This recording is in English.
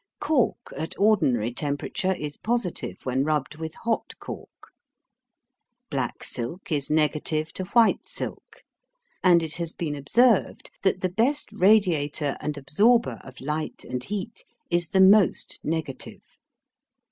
Cork at ordinary temperature is positive when rubbed with hot cork. Black silk is negative to white silk, and it has been observed that the best radiator and absorber of light and heat is the most negative.